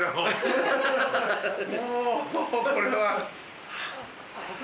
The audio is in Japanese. もうこれは。